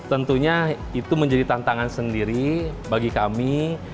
jadi tentunya itu menjadi tantangan sendiri bagi kami